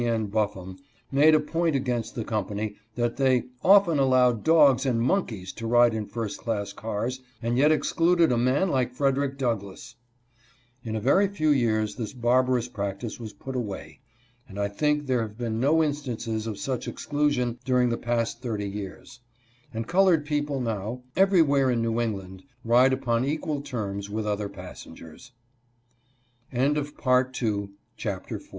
N. Buffum made a point against the company that they " often allowed dogs and monkeys to ride in first class cars, and yet excluded a man like Frederick Douglass !" In a very few years this barbarous practice was put away, and I think there have been no instances of such exclu sion during the past thirty years ; and colored people now, everywhere in New England, ride upon